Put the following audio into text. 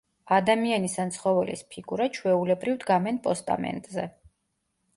ადამიანის ან ცხოველის ფიგურა, ჩვეულებრივ, დგამენ პოსტამენტზე.